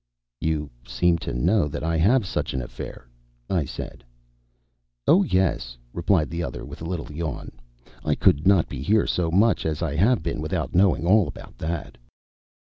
"You seem to know that I have such an affair," I said. "Oh, yes!" replied the other, with a little yawn. "I could not be here so much as I have been without knowing all about that."